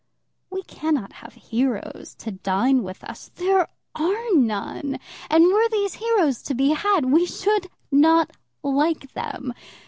We cannot have heroes to dine with us. There are none. And were these heroes to be had, we should not like them.